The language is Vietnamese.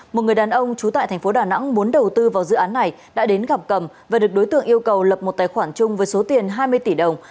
một người đàn ông trú tại thành phố đà nẵng muốn đầu tư vào dự án này đã đến gặp cầm và được đối tượng yêu cầu lập một tài khoản chung với số tiền hai mươi tỷ đồng